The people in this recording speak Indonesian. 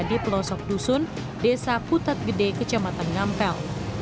di pelosok dusun desa putat gede kecamatan ngampel